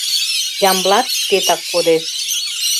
Ямблат шкетак кодеш.